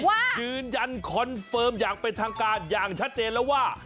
ยืนยันคอนเฟิร์มอย่างเป็นทางการอย่างชัดเจนแล้วว่า